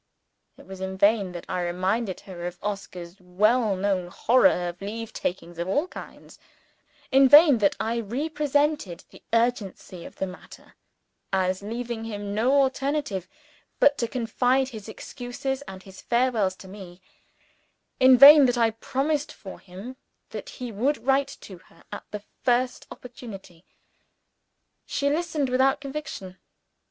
It was in vain that I reminded her of Oscar's well known horror of leave takings of all kinds; in vain that I represented the urgency of the matter as leaving him no alternative but to confide his excuses and his farewells to me; in vain that I promised for him that he would write to her at the first opportunity. She listened, without conviction.